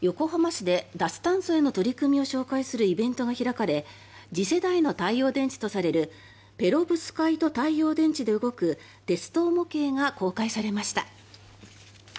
横浜市で脱炭素への取り組みを紹介するイベントが開かれ次世代の太陽電池とされるペロブスカイト太陽電池で動く鉄道模型が公開されました。